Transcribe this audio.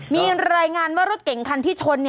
มีรายงานว่ารถเก่งคันที่ชน